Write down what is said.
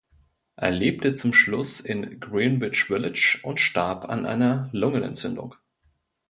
Er lebte zum Schluss in Greenwich Village und starb an einer Lungenentzündung.